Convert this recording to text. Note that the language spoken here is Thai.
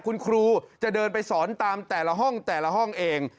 คุณครูจะเดินไปสอนตามแต่ละห้องแต่ละห้องเอง